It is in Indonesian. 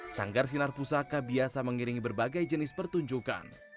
sanggar sinar pusaka biasa mengiringi berbagai jenis pertunjukan